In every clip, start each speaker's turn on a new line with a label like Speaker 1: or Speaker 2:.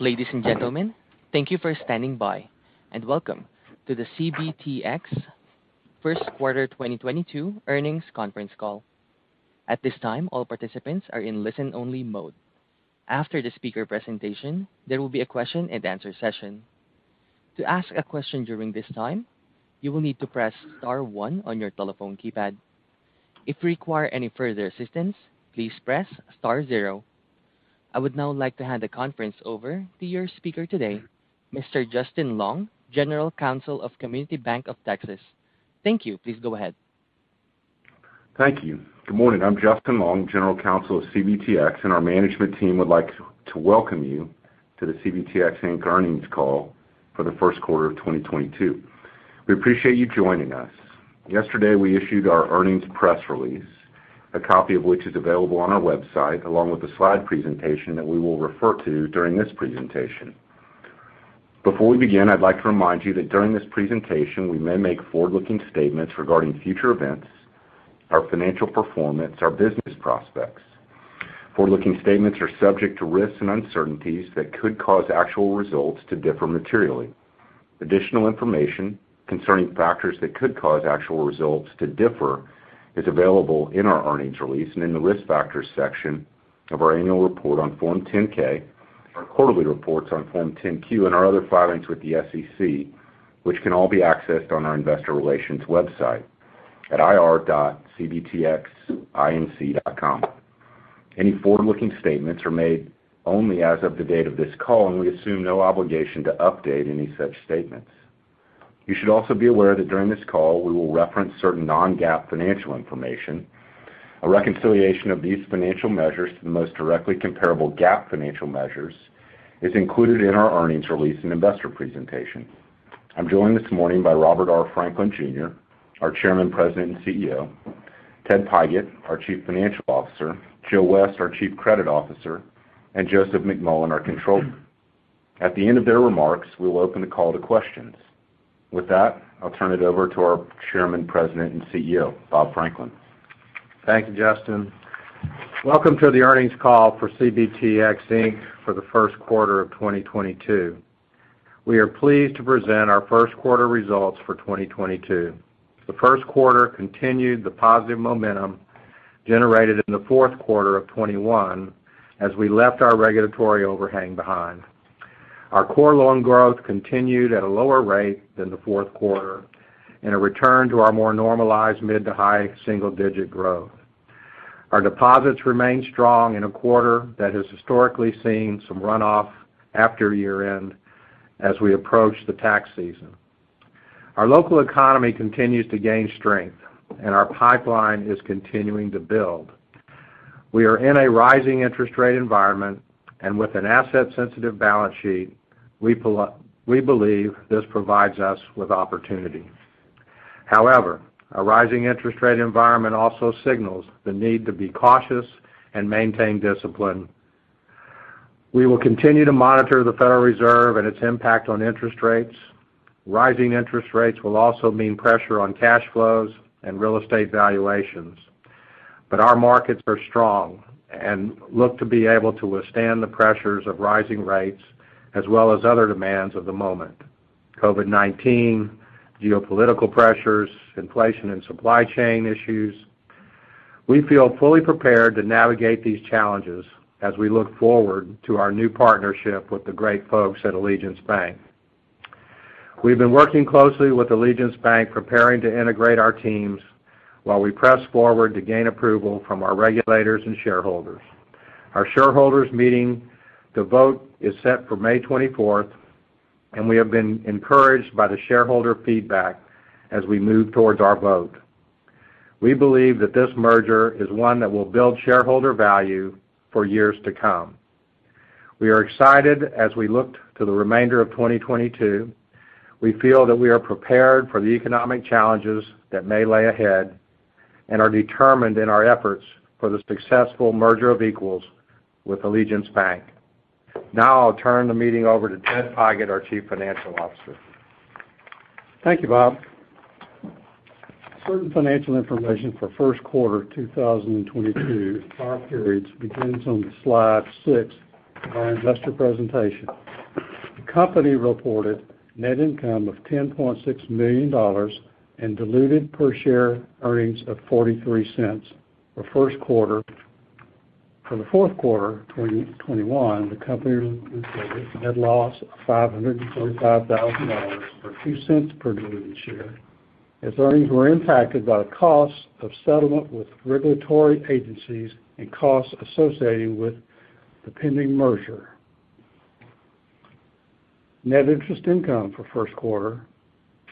Speaker 1: Ladies and Gentlemen, thank you for standing by, and welcome to the CBTX First Quarter 2022 Earnings Conference Call. At this time, all participants are in listen-only mode. After the speaker presentation, there will be a question-and-answer session. To ask a question during this time, you will need to press star one on your telephone keypad. If you require any further assistance, please press star zero. I would now like to hand the conference over to your speaker today, Mr. Justin Long, General Counsel of Community Bank of Texas. Thank you. Please go ahead.
Speaker 2: Thank you. Good morning. I'm Justin Long, General Counsel of CBTX, and our management team would like to welcome you to the CBTX, Inc. earnings call for the first quarter of 2022. We appreciate you joining us. Yesterday, we issued our earnings press release, a copy of which is available on our website, along with a slide presentation that we will refer to during this presentation. Before we begin, I'd like to remind you that during this presentation we may make forward-looking statements regarding future events, our financial performance, our business prospects. Forward-looking statements are subject to risks and uncertainties that could cause actual results to differ materially. Additional information concerning factors that could cause actual results to differ is available in our earnings release and in the Risk Factors section of our annual report on Form 10-K, our quarterly reports on Form 10-Q, and our other filings with the SEC, which can all be accessed on our investor relations website at ir.cbtxinc.com. Any forward-looking statements are made only as of the date of this call, and we assume no obligation to update any such statements. You should also be aware that during this call we will reference certain non-GAAP financial information. A reconciliation of these financial measures to the most directly comparable GAAP financial measures is included in our earnings release and investor presentation. I'm joined this morning by Robert R. Franklin Jr., our Chairman, President, and CEO, Ted Pigott, our Chief Financial Officer, Joe West, our Chief Credit Officer, and Joseph McMullen, our Controller. At the end of their remarks, we will open the call to questions. With that, I'll turn it over to our Chairman, President, and CEO, Bob Franklin.
Speaker 3: Thank you, Justin. Welcome to the earnings call for CBTX, Inc. for the first quarter of 2022. We are pleased to present our first quarter results for 2022. The first quarter continued the positive momentum generated in the fourth quarter of 2021 as we left our regulatory overhang behind. Our core loan growth continued at a lower rate than the fourth quarter in a return to our more normalized mid to high single-digit growth. Our deposits remained strong in a quarter that has historically seen some runoff after year-end as we approach the tax season. Our local economy continues to gain strength, and our pipeline is continuing to build. We are in a rising interest rate environment. With an asset-sensitive balance sheet, we believe this provides us with opportunity. However, a rising interest rate environment also signals the need to be cautious and maintain discipline. We will continue to monitor the Federal Reserve and its impact on interest rates. Rising interest rates will also mean pressure on cash flows and real estate valuations. Our markets are strong and look to be able to with stand the pressures of rising rates as well as other demands of the moment, COVID-19, geopolitical pressures, inflation and supply chain issues. We feel fully prepared to navigate these challenges as we look forward to our new partnership with the great folks at Allegiance Bank. We've been working closely with Allegiance Bank, preparing to integrate our teams while we press forward to gain approval from our regulators and shareholders. Our shareholders meeting to vote is set for May 24th, and we have been encouraged by the shareholder feedback as we move towards our vote. We believe that this merger is one that will build shareholder value for years to come. We are excited as we look to the remainder of 2022. We feel that we are prepared for the economic challenges that may lay ahead and are determined in our efforts for the successful merger of equals with Allegiance Bank. Now, I'll turn the meeting over to Ted Pigott, our Chief Financial Officer.
Speaker 4: Thank you, Bob. Certain financial information for first quarter 2022, all periods begins on slide six of our investor presentation. The company reported net income of $10.6 million and diluted per share earnings of $0.43 for first quarter. For the fourth quarter 2021, the company reported net loss of $535,000, or $0.02 per diluted share, as earnings were impacted by the costs of settlement with regulatory agencies and costs associated with the pending merger. Net interest income for first quarter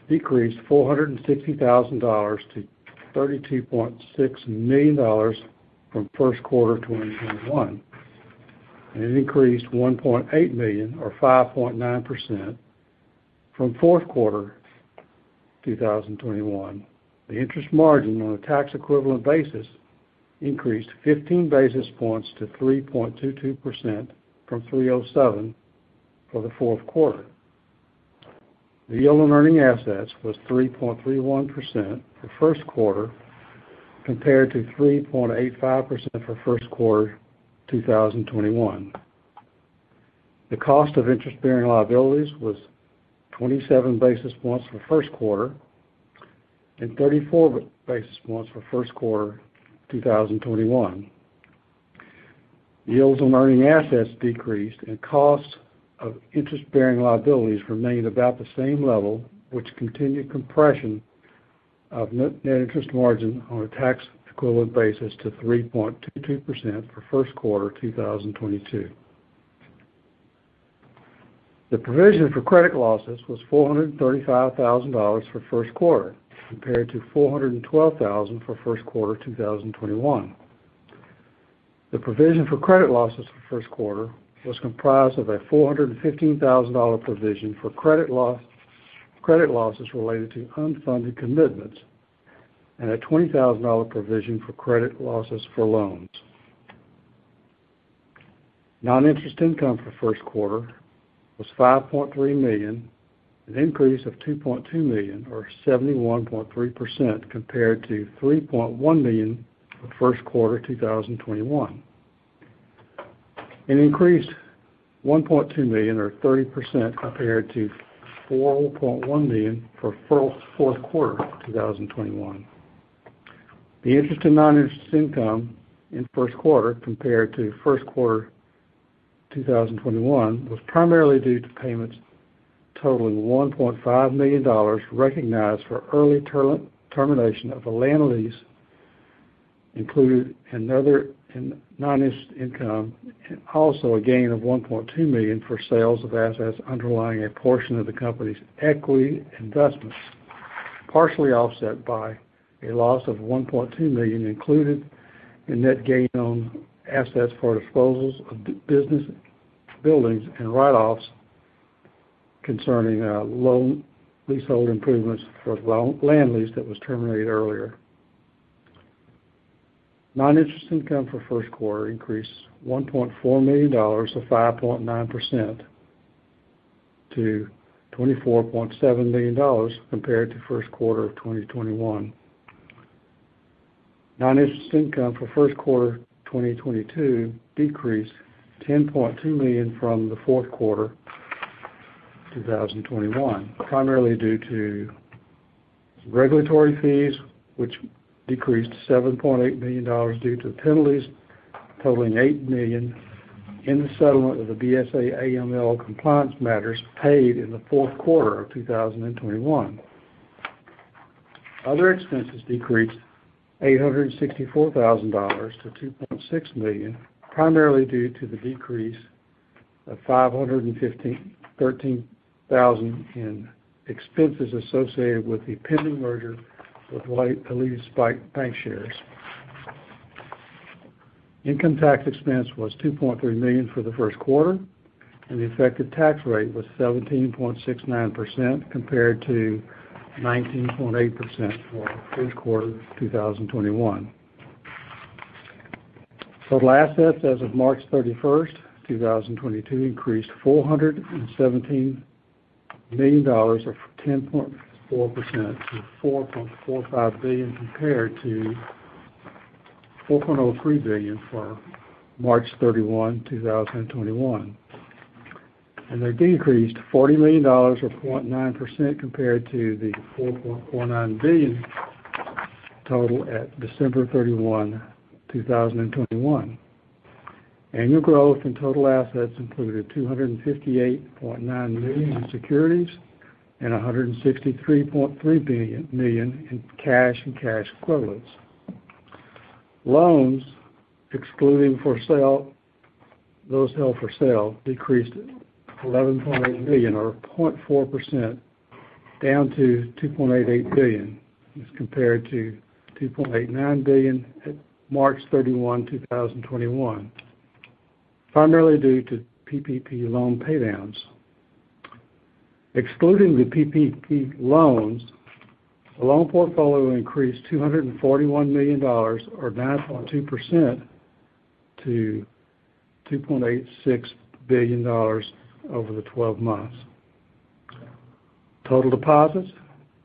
Speaker 4: decreased $460,000 to $32.6 million from first quarter 2021, and it increased $1.8 million or 5.9% from fourth quarter 2021. The interest margin on a tax-equivalent basis increased 15 basis points to 3.22% from 3.07% for the fourth quarter. The yield on earning assets was 3.31% the first quarter compared to 3.85% for first quarter 2021. The cost of interest-bearing liabilities was 27 basis points for the first quarter and 34 basis points for first quarter 2021. Yields on earning assets decreased and costs of interest-bearing liabilities remained about the same level, which continued compression of net interest margin on a tax equivalent basis to 3.22% for first quarter 2022. The provision for credit losses was $435 thousand for first quarter, compared to $412 thousand for first quarter 2021. The provision for credit losses for first quarter was comprised of a $415,000 provision for credit loss, credit losses related to unfunded commitments, and a $20,000 provision for credit losses for loans. Non-interest income for first quarter was $5.3 million, an increase of $2.2 million or 71.3% compared to $3.1 million for first quarter 2021. It increased $1.2 million or 30% compared to $4.1 million for fourth quarter 2021. The interest and non-interest income in first quarter compared to first quarter 2021 was primarily due to payments totaling $1.5 million recognized for early termination of a land lease included in non-interest income, also a gain of $1.2 million for sales of assets underlying a portion of the company's equity investments, partially offset by a loss of $1.2 million including a net gain on assets for disposals of business buildings and write-offs concerning leasehold improvements for land lease that was terminated earlier. Non-interest income for first quarter increased $1.4 million or 5.9% to $24.7 million compared to first quarter of 2021. Non-interest income for first quarter 2022 decreased $10.2 million from the fourth quarter 2021, primarily due to regulatory fees, which decreased to $7.8 million due to penalties totaling $8 million in the settlement of the BSA/AML compliance matters paid in the fourth quarter of 2021. Other expenses decreased $864,000 to $2.6 million, primarily due to the decrease of $513,000 in expenses associated with the pending merger with Allegiance Bancshares. Income tax expense was $2.3 million for the first quarter, and the effective tax rate was 17.69% compared to 19.8% for the third quarter of 2021. Total assets as of March 31st, 2022 increased $417 million or 10.4% to $4.45 billion compared to $4.03 billion for March 31, 2021. They decreased $40 million or 0.9% compared to the $4.49 billion total at December 31, 2021. Annual growth in total assets included $258.9 million in securities and $163.3 million in cash and cash equivalents. Loans, excluding those held for sale, decreased $11.8 million or 0.4% down to $2.88 billion as compared to $2.89 billion at March 31, 2021, primarily due to PPP loan paydowns. Excluding the PPP loans, the loan portfolio increased $241 million or 9.2% to $2.86 billion over the 12 months. Total deposits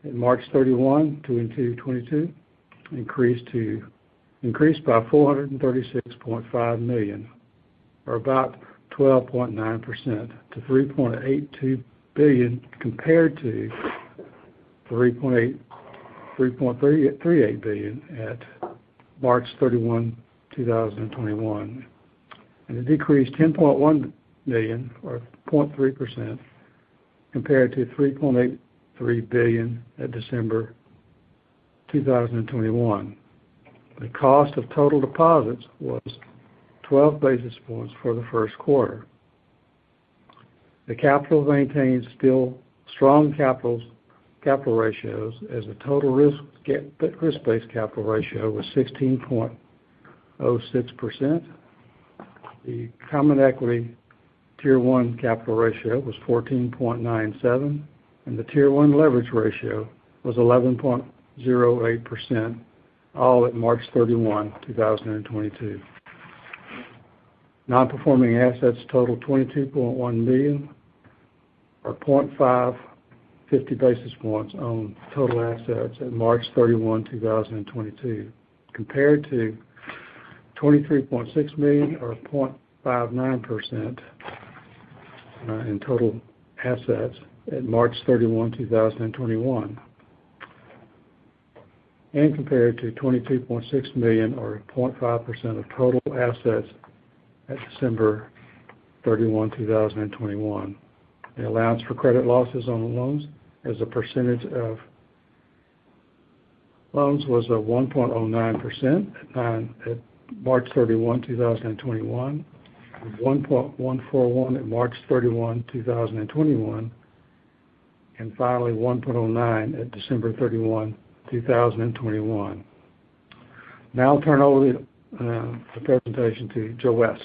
Speaker 4: in March 31, 2022 increased by $436.5 million or about 12.9% to $3.82 billion compared to $3.38 billion at March 31, 2021. It decreased $10.1 million or 0.3% compared to $3.83 billion at December 2021. The cost of total deposits was 12 basis points for the first quarter. The capital maintains still strong capital ratios as the total risk-based capital ratio was 16.06%. The Common Equity Tier one capital ratio was 14.97, and the Tier one leverage ratio was 11.08%, all at March 31, 2022. Nonperforming assets total $22.1 million, or 55 basis points of total assets at March 31, 2022, compared to $23.6 million or 0.59% in total assets at March 31, 2021. Compared to $22.6 million or 0.5% of total assets at December 31, 2021. The allowance for credit losses on the loans as a percentage of loans was at 1.09% at March 31, 2021, 1.141 at March 31, 2021, and finally, 1.09 at December 31, 2021. Now I'll turn over the presentation to Joe West.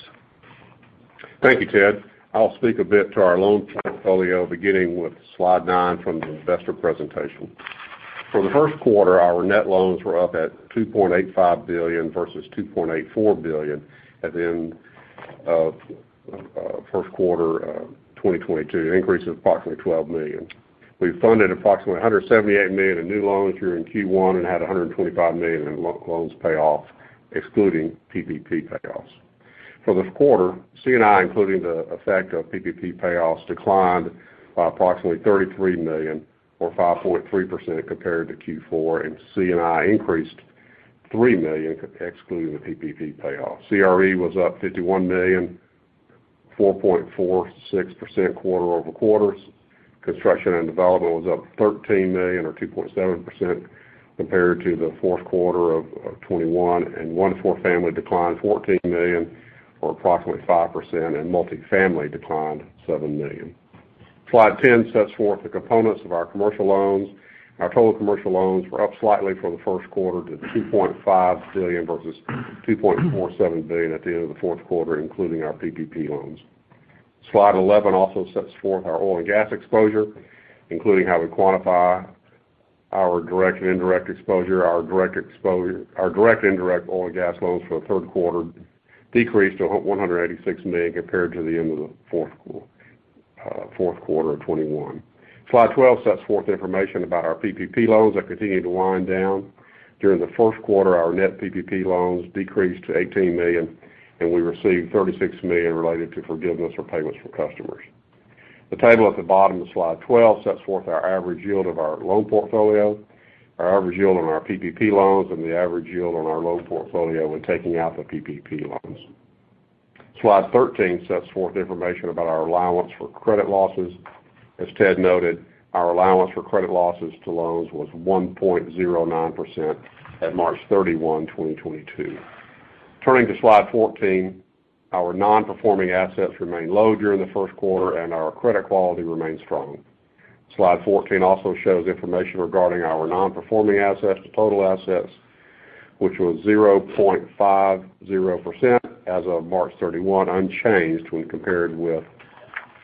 Speaker 5: Thank you, Ted. I'll speak a bit to our loan portfolio, beginning with slide nine from the investor presentation. For the first quarter, our net loans were up at $2.85 billion versus $2.84 billion at the end of first quarter 2022, an increase of approximately $12 million. We funded approximately $178 million in new loans during Q1 and had $125 million in loans pay off, excluding PPP payoffs. For the quarter, C&I, including the effect of PPP payoffs, declined by approximately $33 million or 5.3% compared to Q4, and C&I increased $3 million excluding the PPP payoffs. CRE was up $51 million, 4.46% quarter-over-quarter. Construction and development was up $13 million or 2.7% compared to the fourth quarter of 2021, and one to four family declined $14 million or approximately 5%, and multifamily declined $7 million. Slide ten sets forth the components of our commercial loans. Our total commercial loans were up slightly for the first quarter to $2.5 billion versus $2.47 billion at the end of the fourth quarter, including our PPP loans. Slide eleven also sets forth our oil and gas exposure, including how we quantify our direct and indirect exposure. Our direct and indirect oil and gas loans for the third quarter decreased to $186 million compared to the end of the fourth quarter of 2021. Slide 12 sets forth information about our PPP loans that continued to wind down. During the first quarter, our net PPP loans decreased to $18 million, and we received $36 million related to forgiveness or payments from customers. The table at the bottom of slide 12 sets forth our average yield of our loan portfolio, our average yield on our PPP loans, and the average yield on our loan portfolio when taking out the PPP loans. Slide 13 sets forth information about our allowance for credit losses. As Ted noted, our allowance for credit losses to loans was 1.09% at March 31, 2022. Turning to slide 14, our non-performing assets remained low during the first quarter, and our credit quality remained strong. Slide 14 also shows information regarding our non-performing assets to total assets, which was 0.50% as of March 31, unchanged when compared with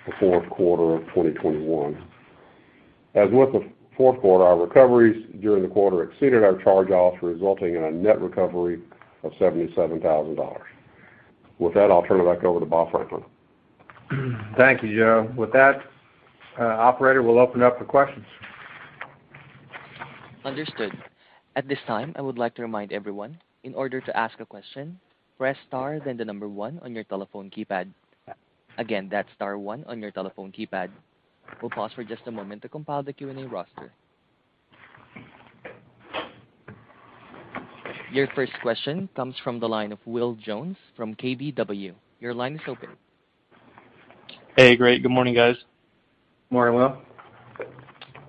Speaker 5: the fourth quarter of 2021. As with the fourth quarter, our recoveries during the quarter exceeded our charge-offs, resulting in a net recovery of $77,000. With that, I'll turn it back over to Bob Franklin.
Speaker 3: Thank you, Joe. With that, operator, we'll open up for questions.
Speaker 1: Understood. At this time, I would like to remind everyone, in order to ask a question, press star then the number one on your telephone keypad. Again, that's star one on your telephone keypad. We'll pause for just a moment to compile the Q&A roster. Your first question comes from the line of Will Jones from KBW. Your line is open.
Speaker 6: Hey. Great. Good morning, guys.
Speaker 3: Morning, Will.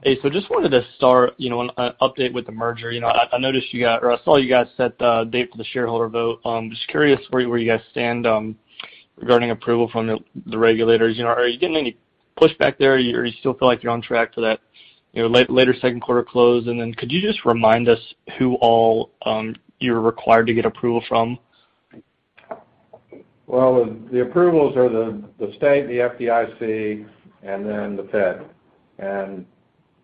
Speaker 6: Hey. Just wanted to start, you know, on update with the merger. You know, I noticed you got or I saw you guys set the date for the shareholder vote. Just curious where you guys stand regarding approval from the regulators. You know, are you getting any pushback there or you still feel like you're on track to that, you know, later second quarter close? Then could you just remind us who all you're required to get approval from?
Speaker 3: Well, the approvals are the state, the FDIC, and then Federal Reserve.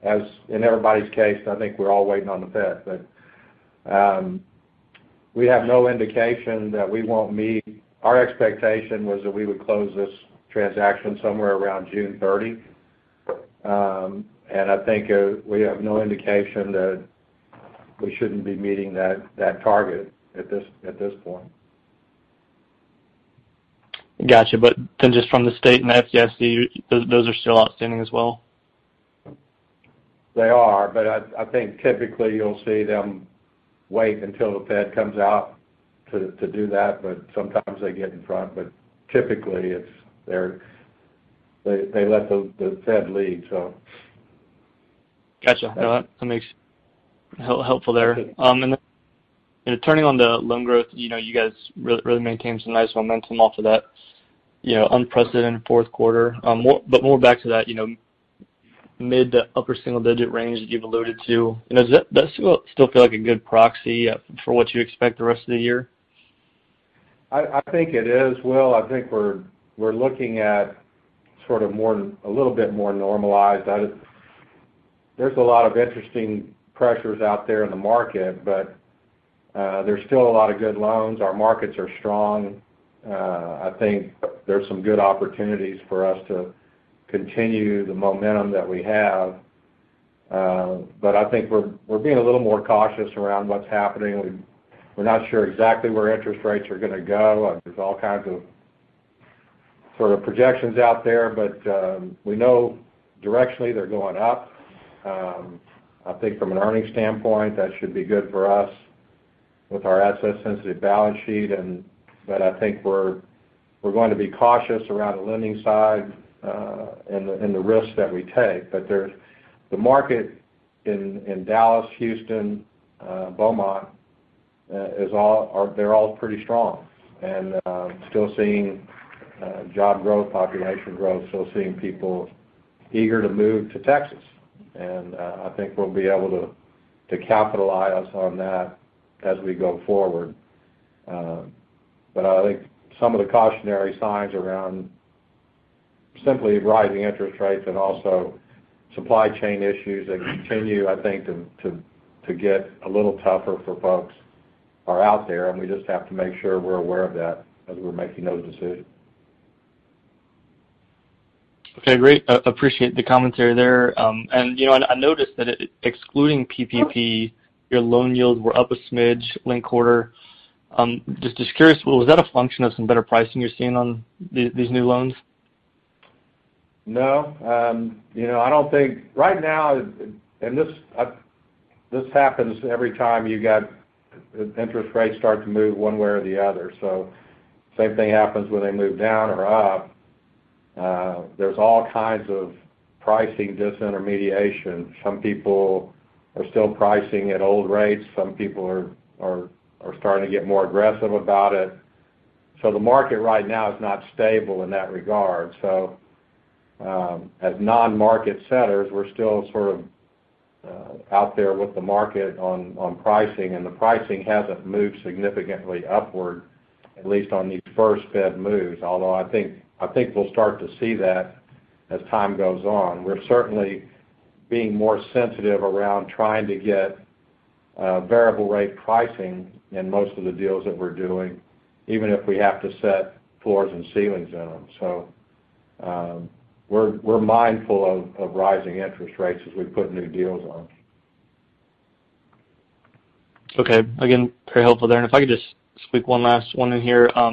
Speaker 3: As in everybody's case, I think we're all waiting on Federal Reserve. We have no indication that we won't meet. Our expectation was that we would close this transaction somewhere around June 30. I think we have no indication that we shouldn't be meeting that target at this point.
Speaker 6: Gotcha. Just from the state and the FDIC, those are still outstanding as well?
Speaker 3: They are, but I think typically you'll see them wait until Federal Reserve comes out to do that, but sometimes they get in front. Typically they let the Federal Reserve lead, so.
Speaker 6: Gotcha. That makes helpful there. Turning on the loan growth, you know, you guys really maintained some nice momentum off of that, you know, unprecedented fourth quarter. More back to that, you know, mid to upper single-digit range that you've alluded to, you know, does that still feel like a good proxy for what you expect the rest of the year?
Speaker 3: I think it is, Will. I think we're looking at sort of more, a little bit more normalized. I just There's a lot of interesting pressures out there in the market, but there's still a lot of good loans. Our markets are strong. I think there's some good opportunities for us to continue the momentum that we have. I think we're being a little more cautious around what's happening. We're not sure exactly where interest rates are gonna go, and there's all kinds of sort of projections out there. We know directionally they're going up. I think from an earnings standpoint, that should be good for us with our asset sensitive balance sheet. I think we're going to be cautious around the lending side, and the risks that we take. The market in Dallas, Houston, Beaumont, they're all pretty strong. Still seeing job growth, population growth, still seeing people eager to move to Texas. I think we'll be able to capitalize on that as we go forward. But I think some of the cautionary signs around simply rising interest rates and also supply chain issues that continue, I think, to get a little tougher for folks are out there, and we just have to make sure we're aware of that as we're making those decisions.
Speaker 6: Okay. Great. Appreciate the commentary there. You know, I noticed that excluding PPP, your loan yields were up a smidge linked quarter. Just curious, was that a function of some better pricing you're seeing on these new loans?
Speaker 3: No. You know, I don't think right now this happens every time interest rates start to move one way or the other. Same thing happens when they move down or up. There's all kinds of pricing disintermediation. Some people are still pricing at old rates, some people are starting to get more aggressive about it. The market right now is not stable in that regard. As non-market setters, we're still sort of out there with the market on pricing, and the pricing hasn't moved significantly upward, at least on these first Fed moves. Although, I think we'll start to see that as time goes on. We're certainly being more sensitive around trying to get variable rate pricing in most of the deals that we're doing, even if we have to set floors and ceilings on them. We're mindful of rising interest rates as we put new deals on.
Speaker 6: Okay. Again, very helpful there. If I could just squeak one last one in here. I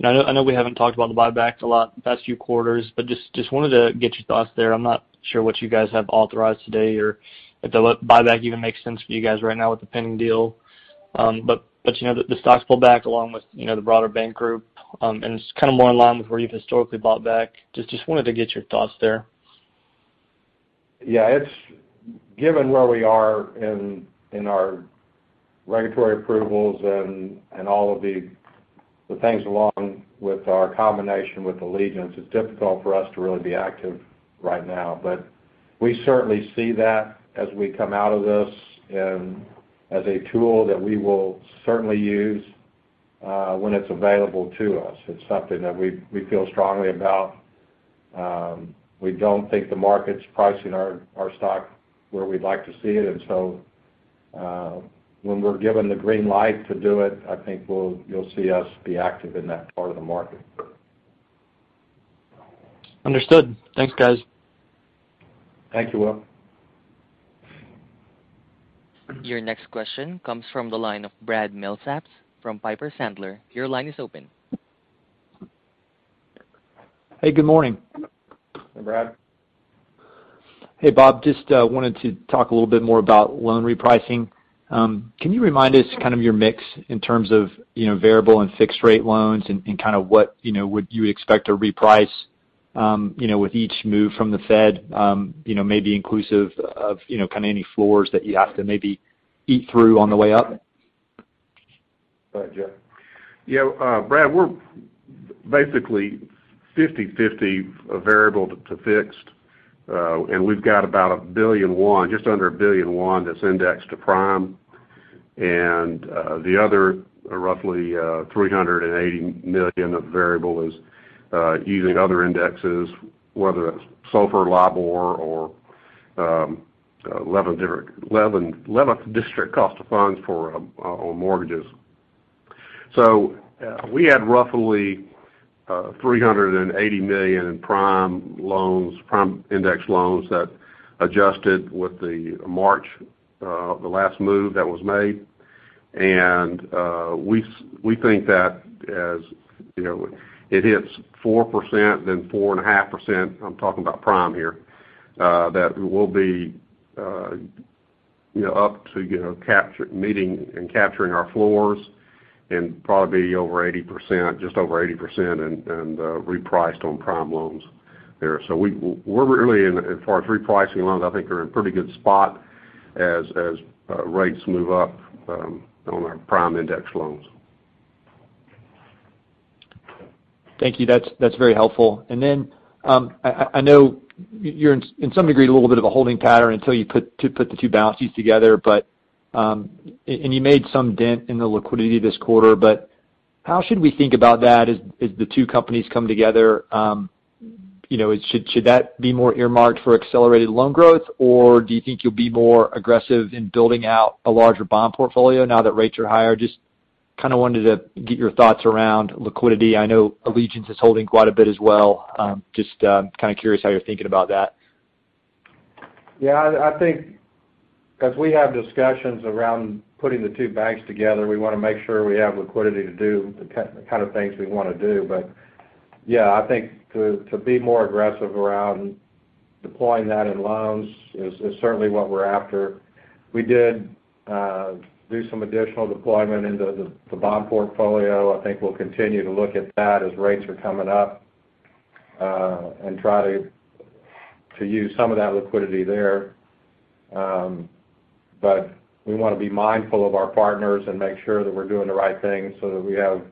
Speaker 6: know we haven't talked about the buybacks a lot the past few quarters, but just wanted to get your thoughts there. I'm not sure what you guys have authorized today, or if the buyback even makes sense for you guys right now with the pending deal. You know, the stocks pulled back along with, you know, the broader bank group. It's kind of more in line with where you've historically bought back. Just wanted to get your thoughts there.
Speaker 3: Yeah. Given where we are in our regulatory approvals and all of the things along with our combination with Allegiance, it's difficult for us to really be active right now. We certainly see that as we come out of this and as a tool that we will certainly use when it's available to us. It's something that we feel strongly about. We don't think the market's pricing our stock where we'd like to see it. When we're given the green light to do it, I think you'll see us be active in that part of the market.
Speaker 6: Understood. Thanks, guys.
Speaker 3: Thank you, Will.
Speaker 1: Your next question comes from the line of Brad Milsaps from Piper Sandler. Your line is open.
Speaker 7: Hey, good morning.
Speaker 3: Hey, Brad.
Speaker 7: Hey, Bob. Just wanted to talk a little bit more about loan repricing. Can you remind us kind of your mix in terms of, you know, variable and fixed rate loans and kind of what, you know, would you expect to reprice, you know, with each move from Federal Reserve, you know, maybe inclusive of, you know, kind of any floors that you have to maybe eat through on the way up?
Speaker 3: Go ahead, Joe.
Speaker 5: Yeah, Brad, we're basically 50-50 variable to fixed. We've got about $1.1 billion, just under $1.1 billion that's indexed to prime. The other roughly $380 million of variable is using other indexes, whether it's SOFR, LIBOR, or 11th District Cost of Funds on mortgages. We had roughly $380 million in prime loans, prime index loans that adjusted with the March, the last move that was made. We think that as, you know, it hits 4%, then 4.5%, I'm talking about prime here, that we'll be, you know, up to, you know, meeting and capturing our floors and probably over 80%, just over 80% and repriced on prime loans there. We're really in, as far as repricing loans, I think we're in pretty good spot as rates move up on our prime index loans.
Speaker 7: Thank you. That's very helpful. I know you're in some degree a little bit of a holding pattern until you put the two balances together. You made some dent in the liquidity this quarter. How should we think about that as the two companies come together? You know, should that be more earmarked for accelerated loan growth? Or do you think you'll be more aggressive in building out a larger bond portfolio now that rates are higher? Just kind a wanted to get your thoughts around liquidity. I know Allegiance is holding quite a bit as well. Just kind of curious how you're thinking about that.
Speaker 3: Yeah, I think as we have discussions around putting the two banks together, we wanna make sure we have liquidity to do the kind of things we wanna do. Yeah, I think to be more aggressive around deploying that in loans is certainly what we're after. We did do some additional deployment into the bond portfolio. I think we'll continue to look at that as rates are coming up and try to use some of that liquidity there. But we wanna be mindful of our partners and make sure that we're doing the right thing so that we have,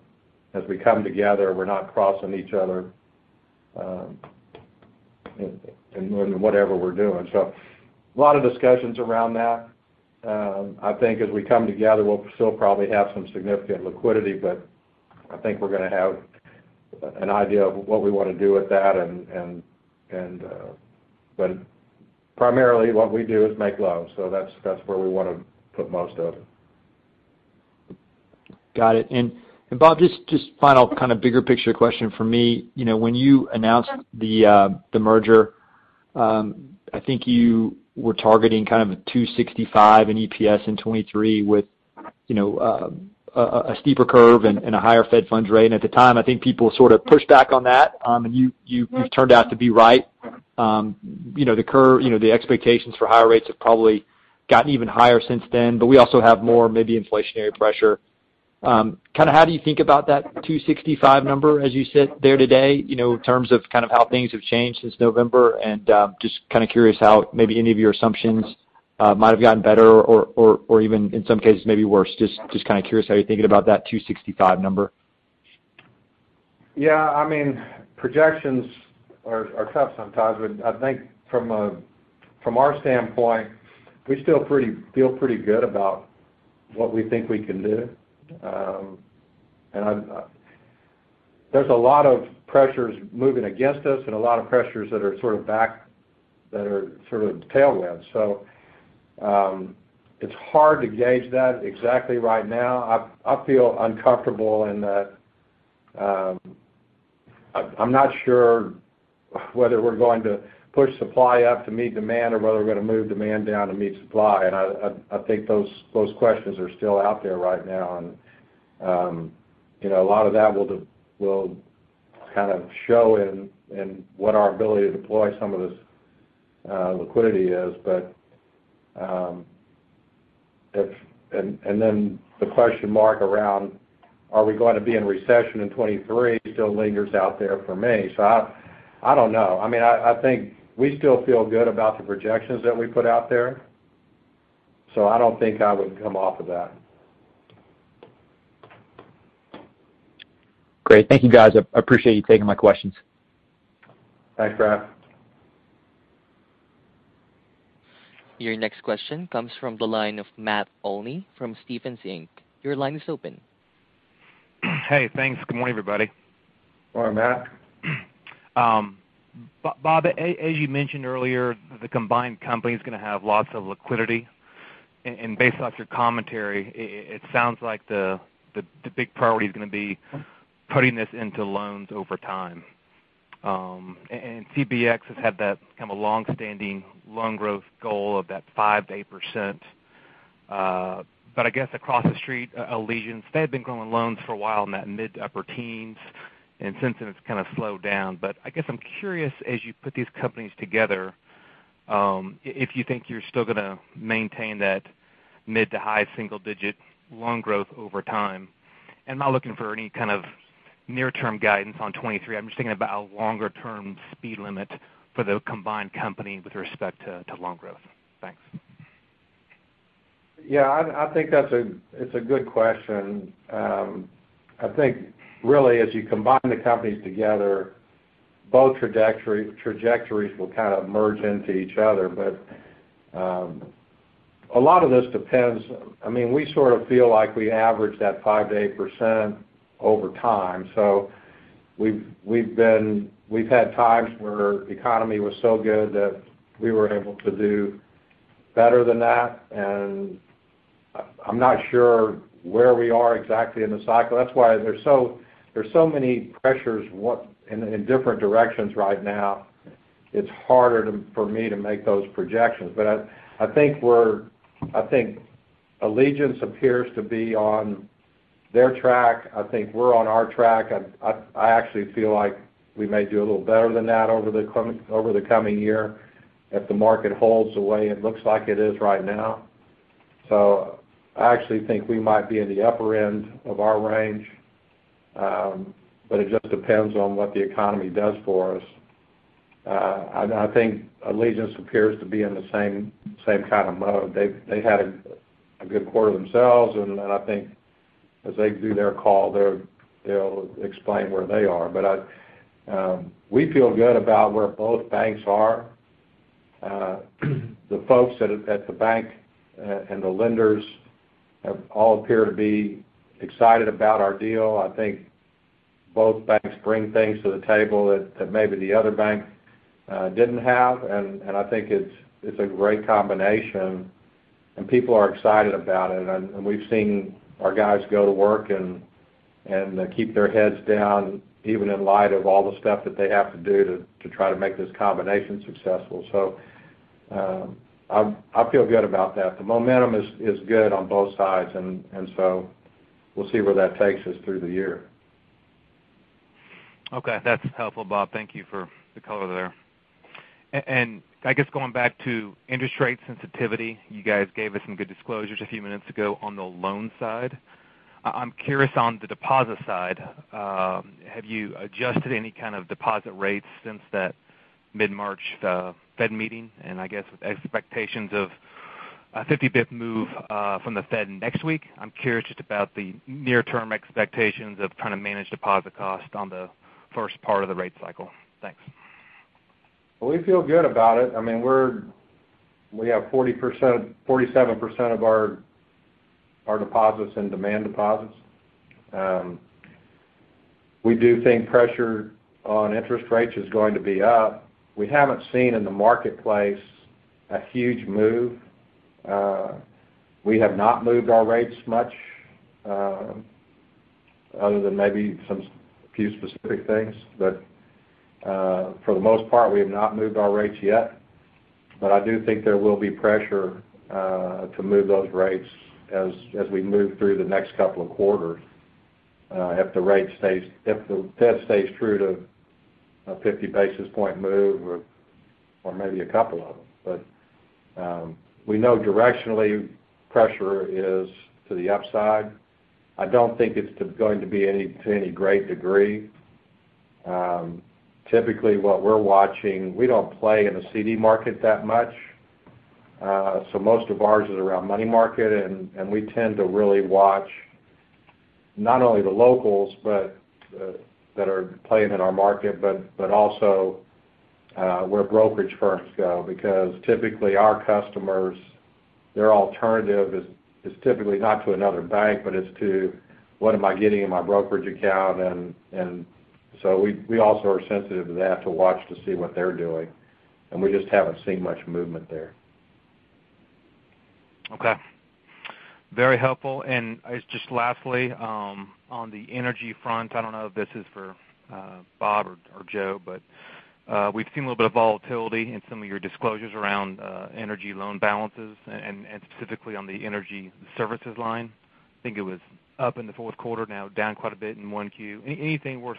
Speaker 3: as we come together, we're not crossing each other in whatever we're doing. A lot of discussions around that. I think as we come together, we'll still probably have some significant liquidity, but I think we're gonna have an idea of what we wanna do with that. Primarily what we do is make loans. That's where we wanna put most of it.
Speaker 7: Got it. Bob, just final kind of bigger picture question from me. You know, when you announced the merger, I think you were targeting kind of a $2.65 in EPS in 2023 with, you know, a steeper curve and a higher Fed funds rate. At the time, I think people sort of pushed back on that. You, you've-
Speaker 3: Mm-hmm.
Speaker 7: You've turned out to be right. You know, the curve, you know, the expectations for higher rates have probably gotten even higher since then, but we also have more, maybe, inflationary pressure. Kind of how do you think about that 2.65 number as you sit there today, you know, in terms of kind of how things have changed since November? Just kind of curious how maybe any of your assumptions might have gotten better or even in some cases, maybe worse. Just kind of curious how you're thinking about that 2.65 number.
Speaker 3: Yeah. I mean, projections are tough sometimes, but I think from our standpoint, we still feel pretty good about what we think we can do. There's a lot of pressures moving against us and a lot of pressures that are sort of headwinds, that are sort of tailwinds. It's hard to gauge that exactly right now. I feel uncomfortable with that, I'm not sure whether we're going to push supply up to meet demand or whether we're gonna move demand down to meet supply. I think those questions are still out there right now. You know, a lot of that will kind of show in what our ability to deploy some of this liquidity is. The question mark around, are we going to be in recession in 2023, still lingers out there for me. I don't know. I mean, I think we still feel good about the projections that we put out there, so I don't think I would come off of that.
Speaker 7: Great. Thank you guys. I appreciate you taking my questions.
Speaker 3: Thanks, Brad.
Speaker 1: Your next question comes from the line of Matt Olney from Stephens Inc. Your line is open.
Speaker 8: Hey, thanks. Good morning, everybody.
Speaker 3: Morning, Matt.
Speaker 8: Bob, as you mentioned earlier, the combined company is gonna have lots of liquidity. Based off your commentary, it sounds like the big priority is gonna be putting this into loans over time. CBTX has had that kind of longstanding loan growth goal of that 5%-8%. I guess across the street, Allegiance, they had been growing loans for a while in that mid to upper teens, and since then it's kind of slowed down. I guess I'm curious as you put these companies together, if you think you're still gonna maintain that mid to high single digit loan growth over time. I'm not looking for any kind of near-term guidance on 2023. I'm just thinking about longer-term speed limit for the combined company with respect to loan growth. Thanks.
Speaker 3: Yeah. I think that's a good question. I think really as you combine the companies together, both trajectories will kind of merge into each other. A lot of this depends. I mean, we sort of feel like we average that 5%-8% over time. We've been. We've had times where the economy was so good that we were able to do better than that, and I'm not sure where we are exactly in the cycle. That's why there's so many pressures in different directions right now. It's harder for me to make those projections. I think Allegiance appears to be on their track. I think we're on our track. I actually feel like we may do a little better than that over the coming year if the market holds the way it looks like it is right now. I actually think we might be in the upper end of our range. It just depends on what the economy does for us. I think Allegiance appears to be in the same kind of mode. They had a good quarter themselves, and then I think as they do their call, they'll explain where they are. We feel good about where both banks are. The folks at the bank and the lenders have all appeared to be excited about our deal. I think both banks bring things to the table that maybe the other bank didn't have, and I think it's a great combination and people are excited about it. We've seen our guys go to work and keep their heads down, even in light of all the stuff that they have to do to try to make this combination successful. I feel good about that. The momentum is good on both sides and so we'll see where that takes us through the year.
Speaker 8: Okay. That's helpful, Bob. Thank you for the color there. I guess going back to interest rate sensitivity, you guys gave us some good disclosures a few minutes ago on the loan side. I'm curious on the deposit side, have you adjusted any kind of deposit rates since that mid-March Fed meeting? I guess with expectations of a 50 basis point move from Federal Reserve next week, I'm curious just about the near-term expectations of trying to manage deposit cost on the first part of the rate cycle. Thanks.
Speaker 3: Well, we feel good about it. I mean, we have 40%, 47% of our deposits in demand deposits. We do think pressure on interest rates is going to be up. We haven't seen in the marketplace a huge move. We have not moved our rates much, other than maybe some few specific things. For the most part, we have not moved our rates yet. I do think there will be pressure to move those rates as we move through the next couple of quarters, if the Federal Reserve stays true to a 50 basis point move or maybe a couple of them. We know directionally, pressure is to the upside. I don't think it's going to be anything to any great degree. Typically, what we're watching. We don't play in the CD market that much, so most of ours is around money market, and we tend to really watch not only the locals, but that are playing in our market, but also where brokerage firms go. Because typically, our customers' alternative is typically not to another bank, but it's to what am I getting in my brokerage account. We also are sensitive to that, to watch to see what they're doing. We just haven't seen much movement there.
Speaker 8: Okay. Very helpful. I just lastly on the energy front. I don't know if this is for Bob or Joe, but we've seen a little bit of volatility in some of your disclosures around energy loan balances and specifically on the energy services line. I think it was up in the fourth quarter, now down quite a bit in Q1. Anything worth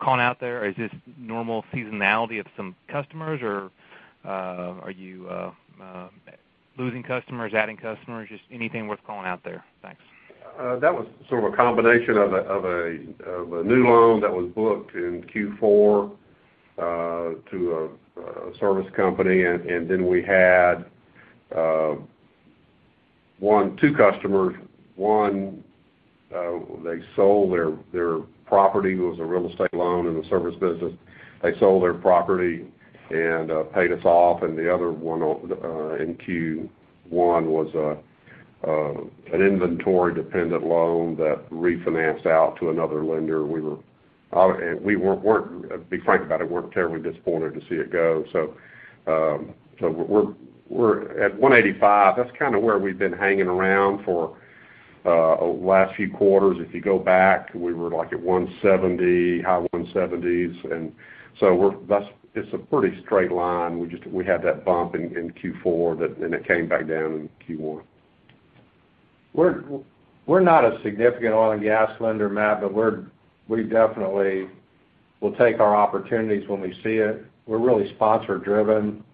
Speaker 8: calling out there? Is this normal seasonality of some customers or are you losing customers, adding customers? Just anything worth calling out there. Thanks.
Speaker 5: That was sort of a combination of a new loan that was booked in Q4 to a service company. Then we had one, two customers. One, they sold their property. It was a real estate loan in the service business. They sold their property and paid us off. The other one in Q1 was an inventory-dependent loan that refinanced out to another lender. We weren't, to be frank about it, terribly disappointed to see it go. We're at $185. That's kind of where we've been hanging around for last few quarters. If you go back, we were like at $170, high $170s. It's a pretty straight line. We had that bump in Q4 and it came back down in Q1.
Speaker 3: We're not a significant oil and gas lender, Matt, but we definitely will take our opportunities when we see it. We're really sponsor driven.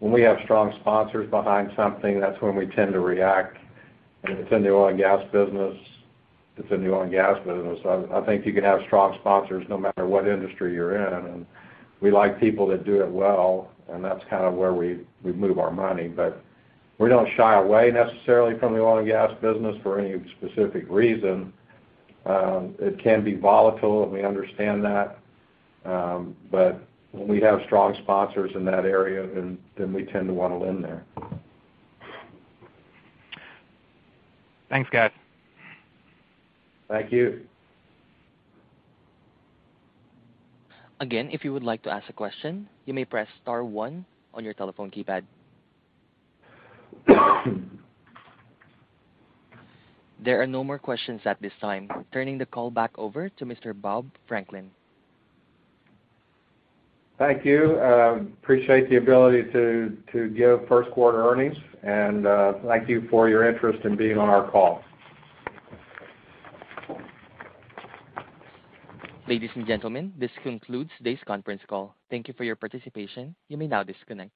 Speaker 3: When we have strong sponsors behind something, that's when we tend to react. If it's in the oil and gas business, it's in the oil and gas business. I think you can have strong sponsors no matter what industry you're in, and we like people that do it well, and that's kind of where we move our money. We don't shy away necessarily from the oil and gas business for any specific reason. It can be volatile, and we understand that. When we have strong sponsors in that area, then we tend to wanna lend there.
Speaker 8: Thanks, guys.
Speaker 3: Thank you.
Speaker 1: Again, if you would like to ask a question, you may press star one on your telephone keypad. There are no more questions at this time. Turning the call back over to Mr. Bob Franklin.
Speaker 3: Thank you. Appreciate the ability to give First Quarter Earnings. Thank you for your interest in being on our call.
Speaker 1: Ladies and gentlemen, this concludes today's conference call. Thank you for your participation. You may now disconnect.